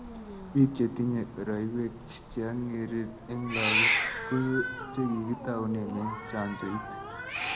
biik che tinyei koroiwek che ang'eren ak lagok ko che kikitaune eng' chanjoit